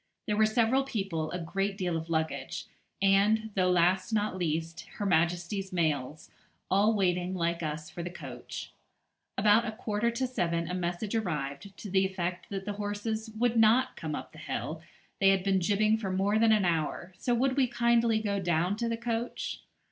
There were several people, a great deal of luggage, and, though last not least, Her Majesty's mails, all waiting, like us, for the coach. About a quarter to seven a message arrived, to the effect that the horses would not come up the hill, they had been jibbing for more than an hour, so would we kindly go down to the coach.